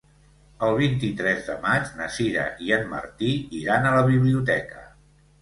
El vint-i-tres de maig na Sira i en Martí iran a la biblioteca.